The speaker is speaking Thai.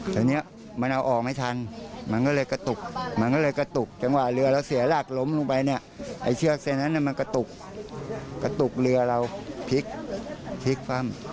ตอนนี้มันเอาออกไม่ทันมันก็เลยกระตุกมันก็เลยกระตุกจังหวะเรือเราเสียหลักล้มลงไปเนี่ยไอ้เชือกเส้นนั้นมันกระตุกกระตุกเรือเราพลิกพลิกคว่ำ